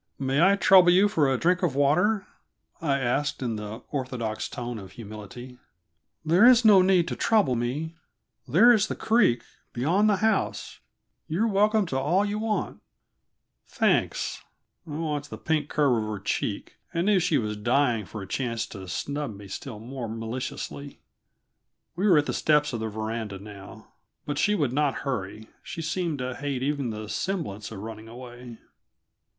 "May I trouble you for a drink of water?" I asked, in the orthodox tone of humility. "There is no need to trouble me; there is the creek, beyond the house; you are welcome to all you want." "Thanks." I watched the pink curve of her cheek, and knew she was dying for a chance to snub me still more maliciously. We were at the steps of the veranda now, but still she would not hurry; she seemed to hate even the semblance of running away.